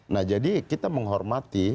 nah jadi kita menghormati